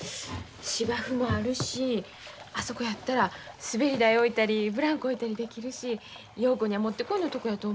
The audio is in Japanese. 芝生もあるしあそこやったら滑り台置いたりブランコ置いたりできるし陽子にはもってこいのとこやと思うんや。